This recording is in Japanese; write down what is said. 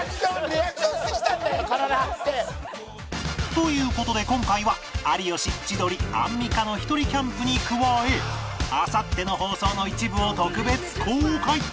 という事で今回は有吉千鳥アンミカのひとりキャンプに加えあさっての放送の一部を特別公開